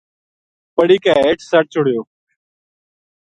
پڑی کے ہیٹھ سَٹ چھُڑیو